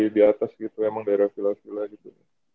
di atas gitu emang daerah villa villa gitu